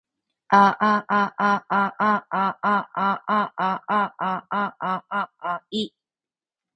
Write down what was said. ああああああああああああああああい